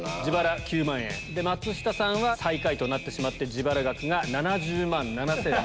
松下さんは最下位となってしまって自腹額が７０万７７００円。